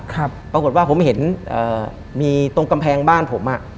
ปรากฏว่าผมเห็นมีตรงกำแพงบ้านผม